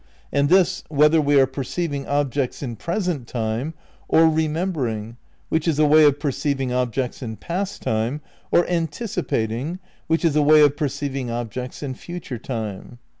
And this, whether we are perceiv ing objects in present time, or remembering, which is a way of perceiving objects in past time, or anticipat ing, which is a way of perceiving objects in future time.